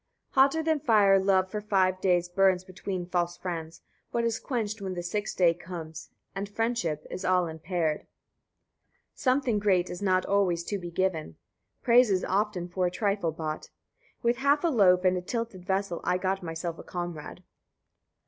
51. Hotter than fire love for five days burns between false friends; but is quenched when the sixth day comes, and friendship is all impaired. 52. Something great is not [always] to be given, praise is often for a trifle bought. With half a loaf and a tilted vessel I got myself a comrade.